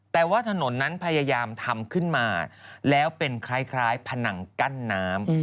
แต่ว่าถนนนั้นพยายามทำขึ้นมาแล้วเป็นคล้ายผนังกั้นน้ำ